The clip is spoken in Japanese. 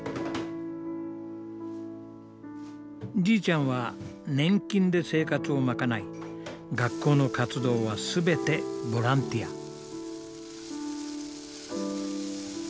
じいちゃんは年金で生活をまかない学校の活動は全てボランティア。